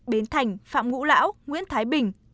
bến thành phạm ngũ lão nguyễn thái bình